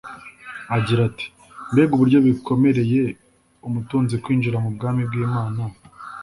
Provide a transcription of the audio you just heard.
agira ati: «Mbega uburyo bikomereye umutunzi kwinjira mu bwami bw'Imana!»